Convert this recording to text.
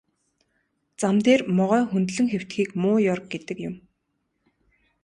Зам дээр могой хөндлөн хэвтэхийг муу ёр гэдэг юм.